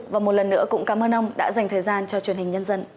và một lần nữa cũng cảm ơn ông đã dành thời gian cho truyền hình nhân dân